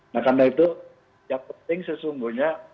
nah karena itu yang penting sesungguhnya